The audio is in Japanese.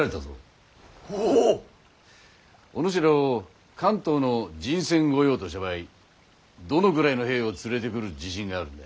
お主らを関東の人選御用とした場合どのぐらいの兵を連れてくる自信があるんだ？